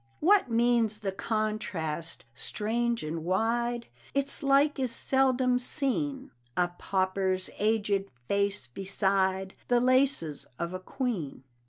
What means the contrast strange and wide? Its like is seldom seen A pauper's aged face beside The laces of a queen.